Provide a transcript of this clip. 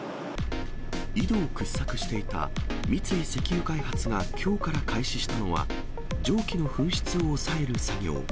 井戸を掘削していた三井石油開発がきょうから開始したのは、蒸気の噴出を抑える作業。